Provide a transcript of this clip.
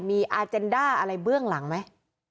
มีอาเจนด้าอะไรเบื้องหลังไหม